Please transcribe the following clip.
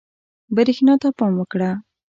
برېښنا ته پام وکړه.